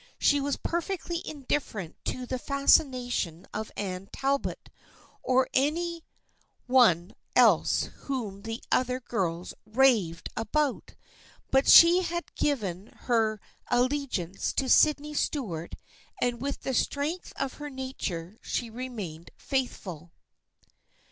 She was perfectly indifferent to the fascination of Anne Talbot or of any one else whom the other girls " raved " about, but she had given her alle giance to Sydney Stuart and with the strength of her nature she remained faithful.